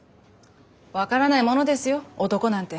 分からないものですよ男なんて。